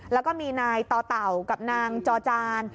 แล้วก็มีนายต่อเต่ากับนางจอจาน